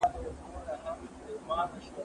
هغه وويل چي زده کړه کول مهم دي؟!